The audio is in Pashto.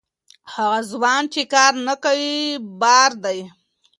هغه ځوان چې کار نه کوي، بار دی.